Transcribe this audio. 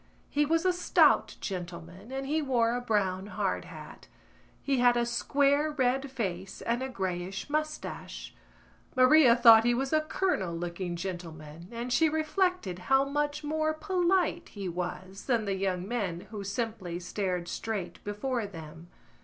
He was a stout gentleman and he wore a brown hard hat; he had a square red face and a greyish moustache. Maria thought he was a colonel looking gentleman and she reflected how much more polite he was than the young men who simply stared straight before them.